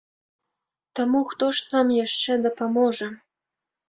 Таму хто ж нам яшчэ дапаможа?